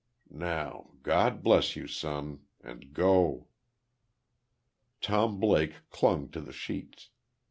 Now, God bless you, son and go." Tom Blake clung to the sheets.